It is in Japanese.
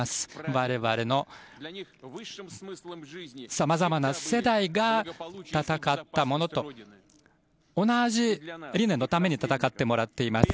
我々のさまざまな世代が戦ったものと同じ理念のために戦ってもらっています。